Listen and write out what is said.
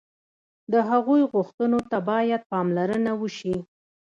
د هغوی غوښتنو ته باید پاملرنه وشي.